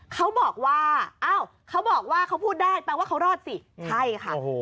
เขาบอกว่าอ้าวเขาบอกว่าเขาพูดได้แปลว่าเขารอดสิใช่ค่ะ